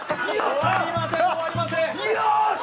終わりません、終わりません。